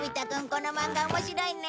この漫画面白いね。